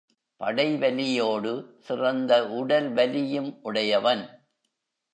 படைவலியோடு, சிறந்த உடல் வலியும் உடையவன்.